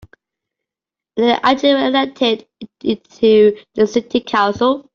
And they actually were elected into the city council.